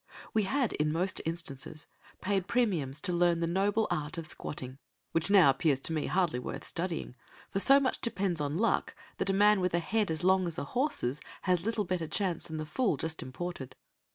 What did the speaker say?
We had, in most instances, paid premiums to learn the noble art of squatting which now appears to me hardly worth studying, for so much depends on luck that a man with a head as long as a horse's has little better chance than the fool just imported.